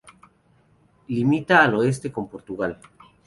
Limita al oeste con Portugal.